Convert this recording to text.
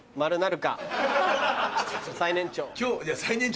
最年長。